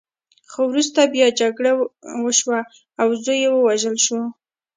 خو وروسته بیا جګړه وشوه او زوی یې ووژل شو.